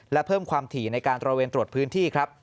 และเพิ่มความถี่ในการตรวจพื้นที่